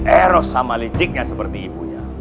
eros sama liciknya seperti ibunya